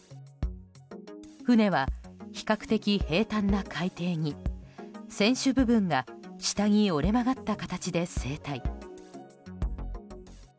船は比較的平坦な海底に船首部分が下に折れ曲がった形で正体。